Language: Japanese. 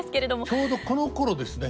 ちょうどこのころですね。